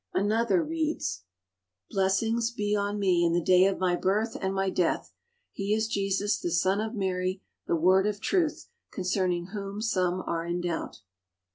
Another reads: Blessings be on me in the day of my birth and my death. He h Jesus, the Son of Mary, the word of truth, concerning whom some are in doubt.